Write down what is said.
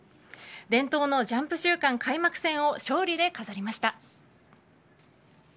伝統のジャンプ週間開幕戦を勝利で飾りました。